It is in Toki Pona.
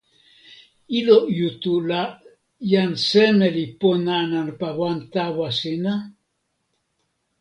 ilo Jutu la jan seme li pona nanpa wan tawa sina?